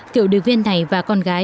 cựu điệp viên này và con gái